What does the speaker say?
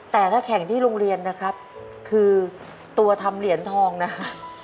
แต่ถ้าแข่งที่โรงเรียนนะครับคือตัวทำเหรียญทองนะฮะ